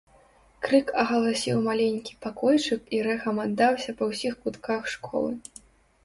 Крык агаласіў маленькі пакойчык і рэхам аддаўся па ўсіх кутках школы.